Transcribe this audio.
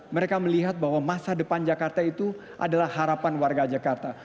mereka melihat bahwa masa depan jakarta itu adalah harapan warga jakarta